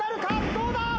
どうだ？